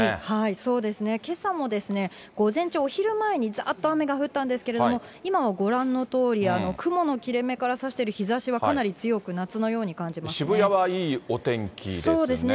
そうですね、けさもですね、午前中、お昼前にざーっと雨が降ったんですけれども、今はご覧のとおり、雲の切れ目からさしている日ざしはかなり強く、夏のように感じま渋谷はいいお天気ですよね。